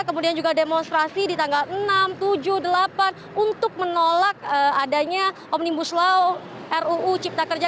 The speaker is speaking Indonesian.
kemudian juga demonstrasi di tanggal enam tujuh delapan untuk menolak adanya omnibus law ruu cipta kerja